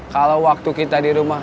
kalau waktu kita di rumah